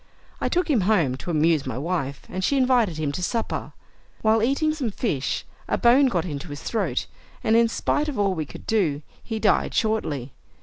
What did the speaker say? I took him home, to amuse my wife, and she invited him to supper. While eating some fish, a bone got into his throat, and in spite of all we could do, he died shortly.